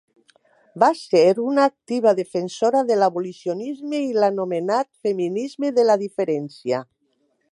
Va ser una activa defensora de l'abolicionisme i l'anomenat feminisme de la diferència.